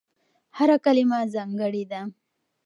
هره کلمه ځانګړې ده.